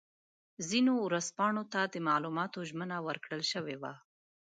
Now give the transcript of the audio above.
ځینو ورځپاڼو ته د معلوماتو ژمنه ورکړل شوې وه.